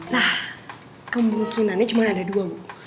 nah kemungkinannya cuma ada dua bu